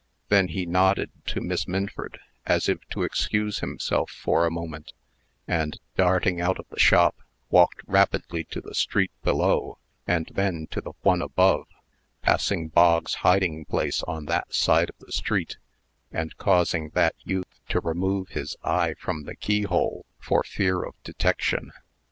Then he nodded to Miss Minford, as if to excuse himself for a moment, and, darting out of the shop, walked rapidly to the street below, and then to the one above, passing Bog's hiding place on that side of the street, and causing that youth to remove his eye from the keyhole for fear of detection.